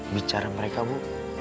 bicara mereka bu